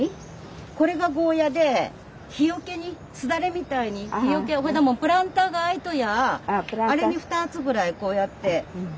これがゴーヤで日よけにすだれみたいにプランターが空いとりゃあれに２つぐらいこうやって。